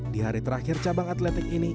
di hari terakhir cabang atletik ini